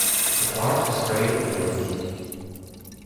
The bark is grey and flaky.